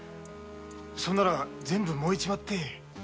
そんなら全部燃えちまって。